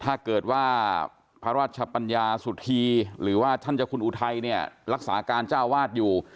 ถ้าเกิดว่าพระราชปัญญาสุธีหรือว่าท่านเจ้าคุณอุทัยเนี่ยรักษาการเจ้าวาดอยู่